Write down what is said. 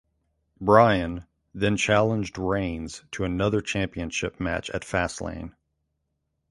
Bryan then challenged Reigns to another championship match at Fastlane.